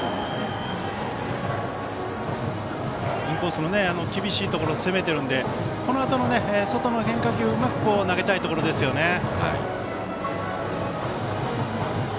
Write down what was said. インコースの厳しいところ攻めてるんでこのあとの外の変化球うまく投げたいところですよね。